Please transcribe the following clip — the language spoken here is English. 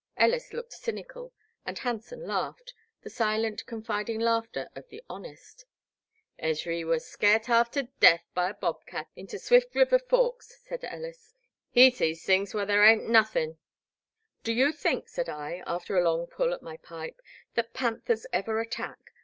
Ellis looked cynical and Hanson laughed, the silent confiding laughter of the honest. " Ezry was scairt haf tu deth by a Bob cat, onct, into Swift River Forks," said Ellis; he sees things whar there hain't nawthin'." Do you think," said I, after a long pull at my pipe, that panthers ever attack?